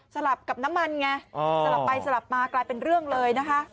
ลับกับน้ำมันไงสลับไปสลับมากลายเป็นเรื่องเลยนะคะ